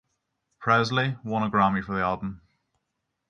Presley won a Grammy for the album.